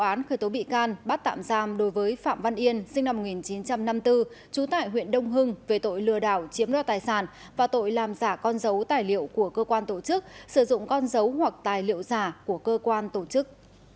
cơ quan an ninh điều tra công an khởi tố bị can bắt tạm giam đối với phạm văn yên sinh năm một nghìn chín trăm năm mươi bốn trú tại huyện đông hưng về tội lừa đảo chiếm đo tài sản và tội làm giả con dấu tài liệu của cơ quan tổ chức sử dụng con dấu hoặc tài liệu giả của cơ quan tổ chức